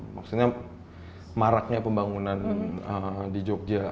maksudnya maraknya pembangunan di jogja